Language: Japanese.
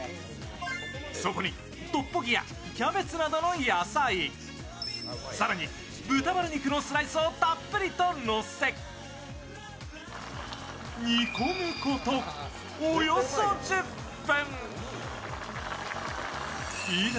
そこにトッポギやキャベツなどの野菜、更に、豚バラ肉のスライスをたっぷりとのせ、煮込むこと、およそ１０分。